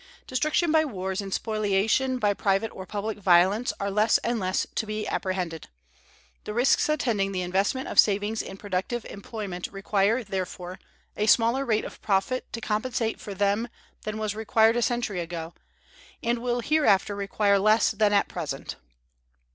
Destruction by wars and spoliation by private or public violence are less and less to be apprehended. The risks attending the investment of savings in productive employment require, therefore, a smaller rate of profit to compensate for them than was required a century ago, and will hereafter require less than at present.